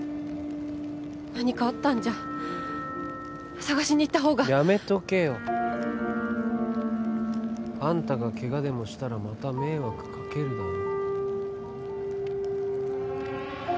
何かあったんじゃ捜しに行った方がやめとけよあんたがケガでもしたらまた迷惑かけるだろ？